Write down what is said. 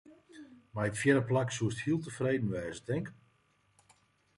Mei in fjirde plak soesto heel tefreden wêze, tink?